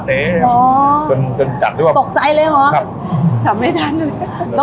เนี้ยอ๋อจนจัดด้วยตกใจเลยเหรอครับทำให้ทันหนึ่ง